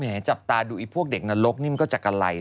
แหมจับตาดูพวกเด็กนรกมันก็จะกำไร